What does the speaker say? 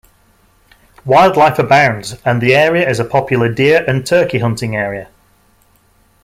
Wildlife abounds and the area is a popular deer and turkey hunting area.